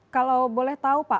kalau boleh tahu pak